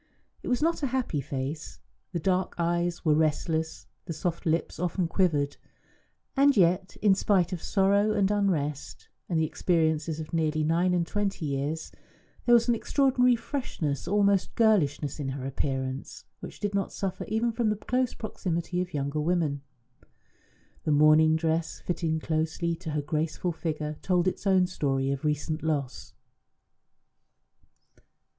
It was not a happy face; the dark eyes were restless, the soft lips often quivered. And yet, in spite of sorrow and unrest, and the experiences of nearly nine and twenty years, there was an extraordinary freshness, almost girlishness, in her appearance, which did not suffer even from the close proximity of younger women. The mourning dress, fitting closely to her graceful figure, told its own story of recent loss.